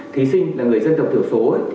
thí sinh là người dân tộc thiểu số